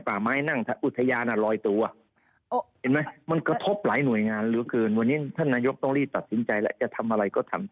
และจะทำอะไรก็ทำเถอะ